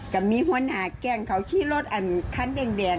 ก็มีหัวหน้าแก๊งเขาขี่รถอันคันแดง